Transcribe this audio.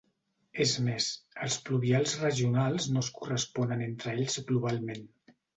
És més, els pluvials regionals no es corresponen entre ells globalment.